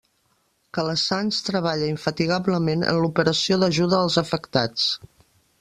Calassanç treballa infatigablement en l'operació d'ajuda als afectats.